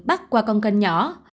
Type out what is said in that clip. bắt qua con canh nhỏ